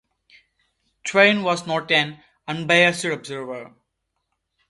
Twain was not an unbiased observer.